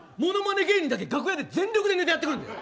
芸人、楽屋で全力でネタやってくるんだよ。